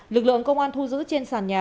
lực lượng công an thu giữ trên sàn nhà